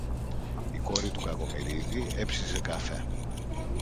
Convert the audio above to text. η κόρη του Κακομοιρίδη έψησε καφέ